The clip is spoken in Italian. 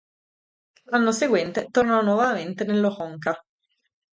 L'anno seguente, tornò nuovamente nello Honka.